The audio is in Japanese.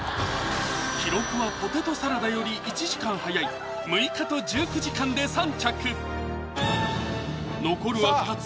記録はポテトサラダより１時間早い６日と１９時間で３着残るは２つ！